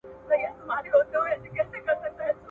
ميرمن خاوند ته پيسې يا جنس ورکوي او په مقابل کي سره بيليږي.